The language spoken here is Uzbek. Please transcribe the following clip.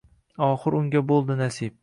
Oxir unga boʼldi nasib